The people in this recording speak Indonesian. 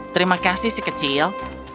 terima kasih si kecil